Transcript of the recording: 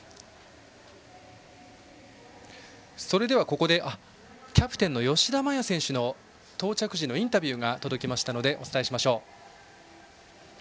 ここでキャプテンの吉田麻也選手の到着時のインタビューが届きましたのでお伝えしましょう。